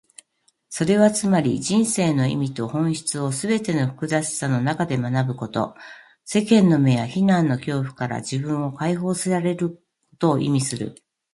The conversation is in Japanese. それはつまり、人生の意味と本質をすべての複雑さの中で学ぶこと、世間の目や非難の恐怖から自分を解放することを意味する。